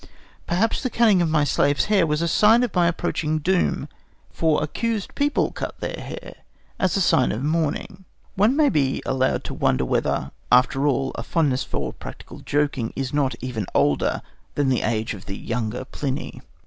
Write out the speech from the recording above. Perhaps the cutting of my slave's hair was a sign of my approaching doom, for accused people cut their hair," as a sign of mourning. One may be allowed to wonder whether, after all, a fondness for practical joking is not even older than the age of the younger Pliny.